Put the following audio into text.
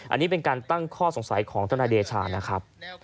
อันนี้เป็นการตั้งข้อสงสัยของทนายเดชานะครับ